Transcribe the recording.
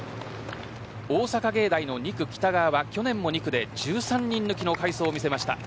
大阪芸大の２区、北川は去年も２区で１３人抜きの快走を見せました。